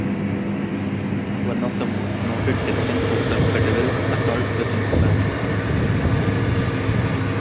One of the most noted sections was the Federal Assault Weapons Ban.